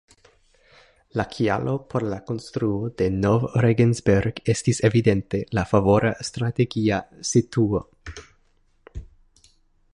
La kialo por la konstruo de Nov-Regensberg estis evidente la favora strategia situo.